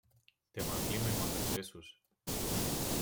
Té mal clima i mals accessos.